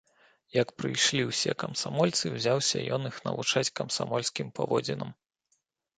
Як прыйшлі ўсе камсамольцы, узяўся ён іх навучаць камсамольскім паводзінам.